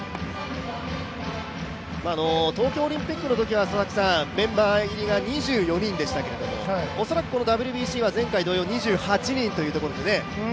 東京オリンピックのときはメンバー入りが２４人でしたけれども、恐らくＷＢＣは前回同様２８人というところですね。